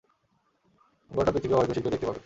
গোটা পৃথিবীও হয়তো শীঘ্রই দেখতে পাবে।